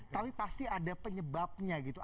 tapi pasti ada penyebabnya gitu